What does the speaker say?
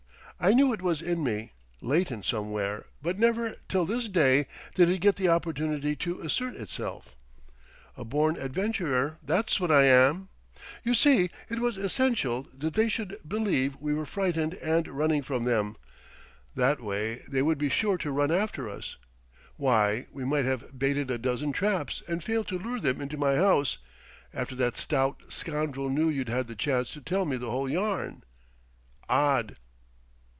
I knew it was in me, latent somewhere, but never till this day did it get the opportunity to assert itself. A born adventurer that's what I am!... You see, it was essential that they should believe we were frightened and running from them; that way, they would be sure to run after us. Why, we might have baited a dozen traps and failed to lure them into my house, after that stout scoundrel knew you'd had the chance to tell me the whole yarn... Odd!"